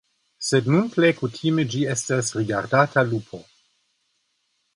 Sed nun plej kutime ĝi estas rigardata lupo.